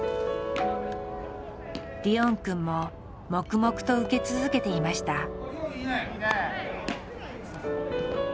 リオンくんも黙々と受け続けていました。